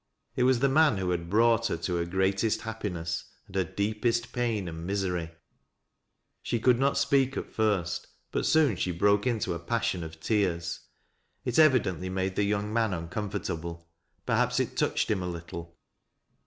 It was the man who had brought her to her greatest happiness and her deepest pain and misery. She could not speak at first ; but soon she broke into a passion of tears. It evidently made the young mau uncomfortable — perhaps it touched him a little.